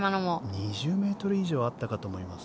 ２０ｍ以上あったかと思います。